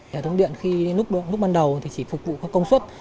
hệ thống điện lúc ban đầu chỉ phục vụ công suất